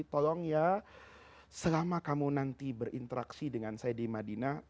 tolong ya selama kamu nanti berinteraksi dengan saya di madinah